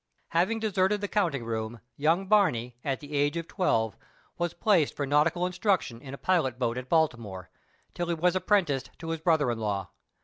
Having deserted the counting room, young Barney, at the age of twelve, was placed for nautical instruction in a pilot boat at Baltimore, till he was apprenticed to his brother in law.